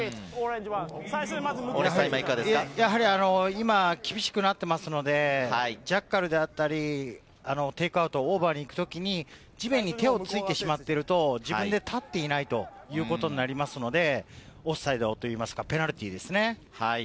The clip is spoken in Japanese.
今、厳しくなっていますので、ジャッカルであったり、テイクアウト、オーバーに行くときに地面に手をついてしまっていると、立っていないということになりますので、ペナルティーですね。